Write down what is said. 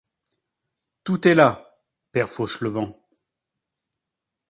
Tout est là, père Fauchelevent.